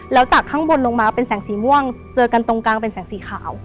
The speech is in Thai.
แล้วจากข้างบนลงมาเป็นแสงสีม่วงเจอกันตรงกลางเป็นแสงสีขาว